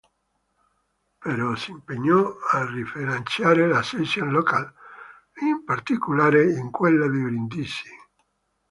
Perciò si impegnò a rilanciare le Sezioni locali, in particolare quella di Brindisi.